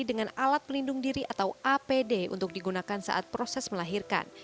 dengan alat pelindung diri atau apd untuk digunakan saat proses melahirkan